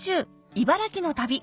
茨城の旅